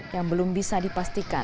yang belum bisa dipastikan